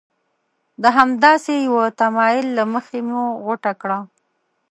د همداسې یوه تمایل له مخې مو غوټه کړه.